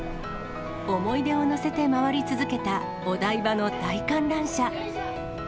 思い出を乗せて回り続けた、お台場の大観覧車。